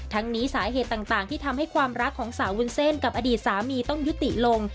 นี้สาเหตุต่างที่ทำให้ความรักของสาววุ้นเส้นกับอดีตสามีต้องยุติลง